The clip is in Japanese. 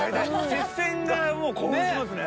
接戦がもう興奮しますね。